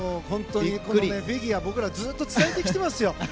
本当にフィギュア僕らずっと伝えてきてますよ。